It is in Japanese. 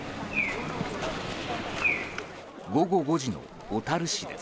午後５時の小樽市です。